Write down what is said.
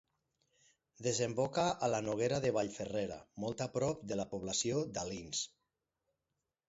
Desemboca a la Noguera de Vallferrera molt a prop de la població d'Alins.